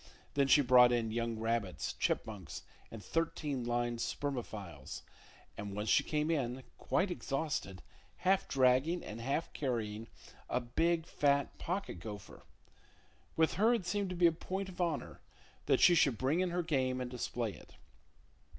Then she brought in young rabbits, chipmunks and thirteen lined spermophiles, and once she came in, quite exhausted, half dragging and half carrying a big, fat pocket gopher. With her it seemed to be a point of honor that she should bring in her game and display it.